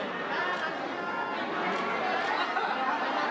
สวัสดีครับ